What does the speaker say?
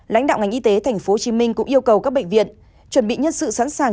lãnh đạo ngành y tế tp hcm cũng yêu cầu các bệnh viện chuẩn bị nhân sự sẵn sàng